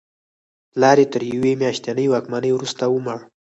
پلار یې تر یوې میاشتنۍ واکمنۍ وروسته ومړ.